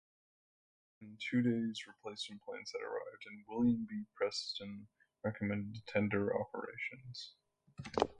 Within two days, replacement planes had arrived; and "William B. Preston" recommenced tender operations.